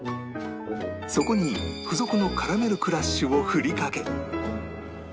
そこに付属のカラメルクラッシュを振りかけ